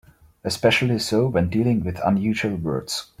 Especially so when dealing with unusual words.